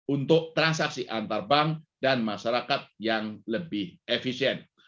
untuk transaksi antar bank dan masyarakat yang lebih efisien